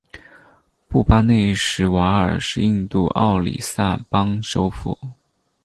布巴内什瓦尔是印度奥里萨邦首府。